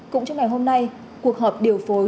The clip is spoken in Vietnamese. cũng trong ngày hôm nay cuộc họp điều phối